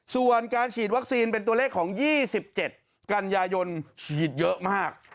ส่วนการฉีดวัคซีนเป็นตัวเลขของ๒๗กันยายนฉีดเยอะมาก